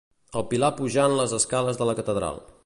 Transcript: El Pilar pujant les escales de la catedral.